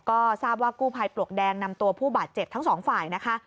ก็ทราบว่ากู้ภัยปลวกแดงนำตัวผู้บาดเจ็บทั้งสองฝ่ายนะคะ